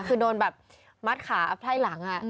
คือโดนแบบมัดขาไพ่หลัง